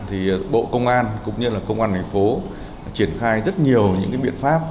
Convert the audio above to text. thì bộ công an cũng như là công an thành phố triển khai rất nhiều những biện pháp